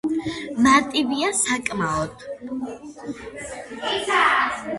მარტივია საკმაოდ.